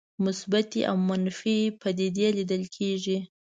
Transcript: مثبتې او منفي پدیدې لیدل کېږي.